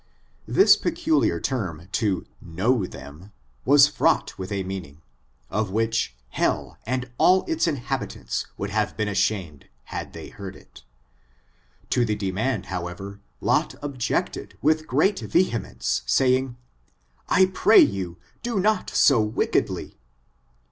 This peculiar term to *^know thewi^ was fraught with a meaning, of which hell and all its inhabicaiiti would have been ashamed, had they heard it To the demand however, Lot objected with great vehe mence, saying, " I pray you, do not so wickedly."